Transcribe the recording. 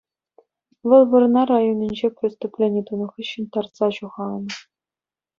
Вӑл Вӑрнар районӗнче преступлени тунӑ хыҫҫӑн тарса ҫухалнӑ.